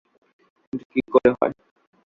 কিন্তু তা কী করে হয়!